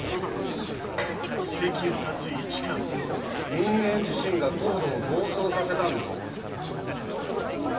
人間自身がＣＯＤＥを暴走させたんですよ。